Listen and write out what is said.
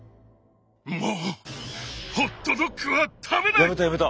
もうホットドッグは食べない！